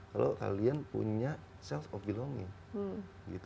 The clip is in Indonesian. kalau kalian punya selse of belonging